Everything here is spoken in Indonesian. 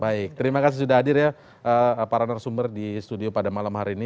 baik terima kasih sudah hadir ya para narasumber di studio pada malam hari ini